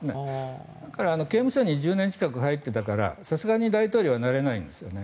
だから、刑務所に１０年近く入っていたからさすがに大統領にはなれないんですね。